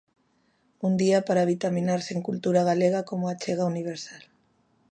Un día para vitaminarse en cultura galega como achega universal.